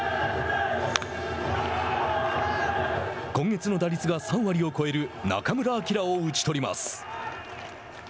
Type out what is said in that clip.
今月の打率が３割を超える中村晃を打ち取ります。